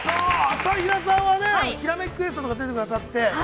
◆朝比奈さんは、「ひらめきクエスト」にも出てくださって。